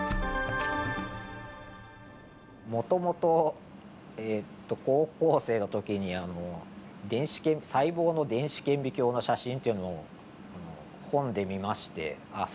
もともとえっと高校生の時に細胞の電子顕微鏡の写真というのを本で見ましてああ